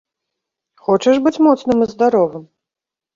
Хочаш быць моцным і здаровым?